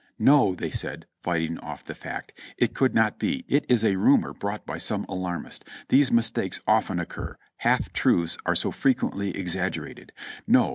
"No!" they said, fighting off the fact. "It could not be, it is a rumor brought by some alarmist. These mistakes often occur; half truths are so frequently exaggerated. No